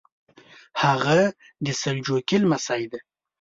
هغه د سلجوقي لمسی دی.